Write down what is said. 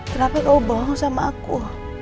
kenapa kau bohong sama aku